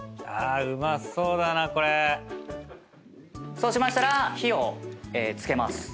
そうしましたら火を付けます。